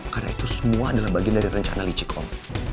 karena itu semua adalah bagian dari rencana licik om